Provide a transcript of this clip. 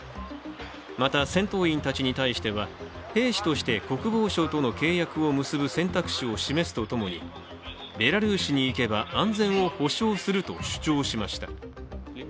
また、戦闘員たちに対しては、兵士として国防省との契約を結ぶ選択肢を示すとともにベラルーシに行けば安全を保証すると主張しました。